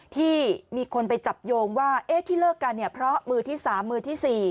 ที่มีคนไปจับโยงว่าที่เลิกกันเนี่ยเพราะมือที่๓มือที่๔